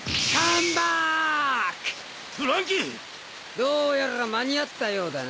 どうやら間に合ったようだな。